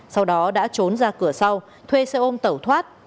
sau đó đã trốn ra cửa sau thuê xe ôm tẩu thoát